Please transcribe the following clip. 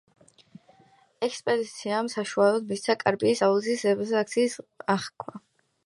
ნავთობსადენის ექსპლუატაციამ საშუალება მისცა კასპიის აუზის რესურსების აქტიურ აღქმას.